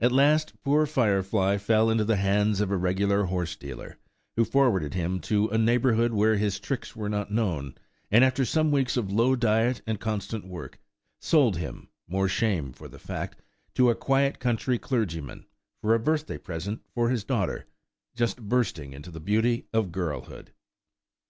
At last, poor Firefly fell into the hands of a regular horsedealer, who forwarded him to a neighbourhood where his tricks were not known, and after some weeks of low diet and constant work, sold him (more shame for the fact) to a quiet country clergyman, for a birthday present for his daughter, just bursting into the beauty of girlhood.